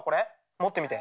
持ってみて。